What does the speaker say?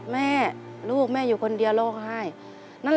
แม่ลูกแม่อยู่คนเดียวโลกไห้